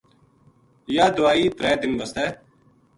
یاہ دوائی ترے دن واسطے